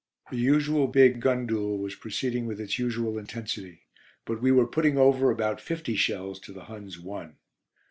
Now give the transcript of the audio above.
The usual big gun duel was proceeding with its usual intensity, but we were putting over about fifty shells to the Huns' one.